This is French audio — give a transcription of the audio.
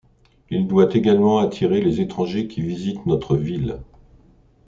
Il doit également attirer les étrangers qui visitent notre ville.